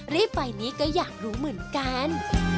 รีบไปนี่ก็อยากรู้เหมือนกัน